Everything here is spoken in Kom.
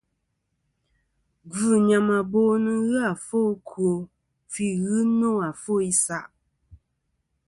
Gvɨ̂ nyàmàbo nɨn ghɨ àfo ɨkwo fî ghɨ nô àfo isaʼ.